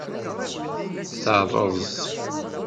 Teṛṛeẓ.